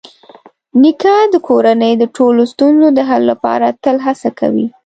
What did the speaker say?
نیکه د کورنۍ د ټولو ستونزو د حل لپاره تل هڅه کوي.